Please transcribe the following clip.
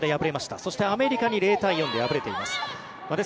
そしてアメリカに０対４で敗れています。